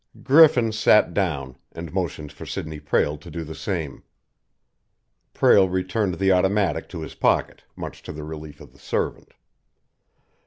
Griffin sat down and motioned for Sidney Prale to do the same. Prale returned the automatic to his pocket, much to the relief of the servant.